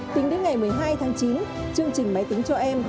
tính đến ngày một mươi hai tháng chín chương trình máy tính cho em